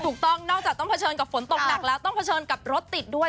ถูกต้องนอกจากต้องเผชิญกับฝนตกหนักแล้วต้องเผชิญกับรถติดด้วย